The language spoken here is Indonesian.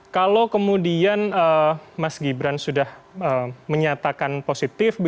kalau kemudian mas gibran sudah menyatakan positif